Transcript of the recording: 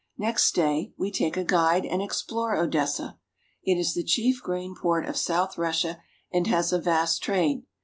Next day we take a guide and explore Odessa. It is the chief grain port of south Rus sia, and has a vast trade.